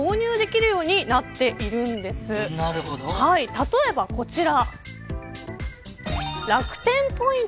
例えばこちら。